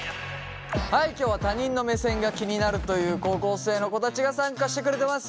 はい今日は他人の目線が気になるという高校生の子たちが参加してくれてます。